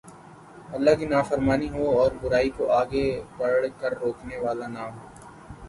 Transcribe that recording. اللہ کی نافرمانی ہو اور برائی کوآگے بڑھ کر روکنے والا نہ ہو